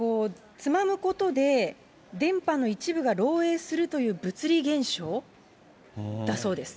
つまむことで、電波の一部が漏えいするという物理現象だそうです。